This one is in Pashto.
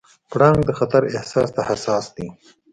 پړانګ د خطر احساس ته حساس دی.